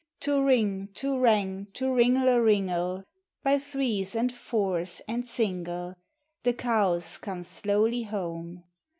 To riug, to rang, toringleringle, By threes and fours and single, The cows come slowly home.